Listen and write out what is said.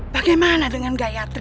bagaimana dengan gayatri